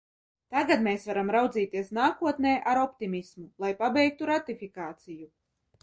Tagad mēs varam raudzīties nākotnē ar optimismu, lai pabeigtu ratifikāciju.